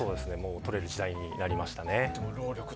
撮れる時代になりましたね。